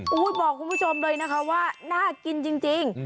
โอ้โหบอกคุณผู้ชมเลยนะคะว่าน่ากินจริง